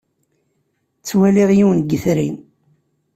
Ttwaliɣ yiwen n yetri.